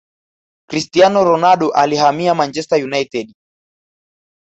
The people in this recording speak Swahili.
cristiano ronaldo alihamia manchester united